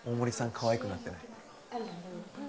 かわいくなってない？